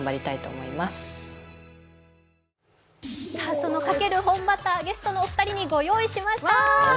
そのかける本バターゲストのお二人にご用意しました。